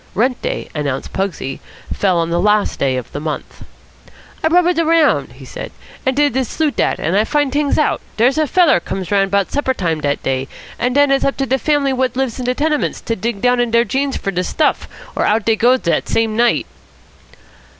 Rent day, announced Pugsy, fell on the last day of the month. "I rubbered around," he said, "and did de sleut' act, and I finds t'ings out. Dere's a feller comes round 'bout supper time dat day, an' den it's up to de fam'lies what lives in de tenements to dig down into deir jeans fer de stuff, or out dey goes dat same night."